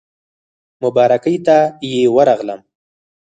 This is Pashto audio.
مبارکۍ ته یې ورغلم.